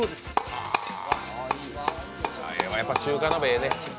ええわ、やっぱり中華鍋ええね。